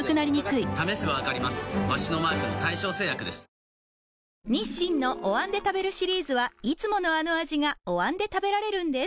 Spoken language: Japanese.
続いては日清のお椀で食べるシリーズはいつものあの味がお椀で食べられるんです